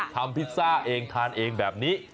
พิซซ่าเองทานเองแบบนี้